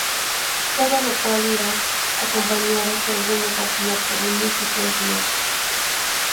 Todo lo cual irá acompañado, según nos advierte, de múltiples riesgos.